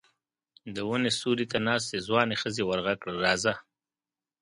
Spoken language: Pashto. د وني سيوري ته ناستې ځوانې ښځې ور غږ کړل: راځه!